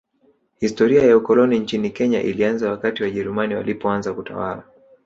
Historia ya ukoloni nchini Kenya ilianza wakati Wajerumani walipoanza kutawala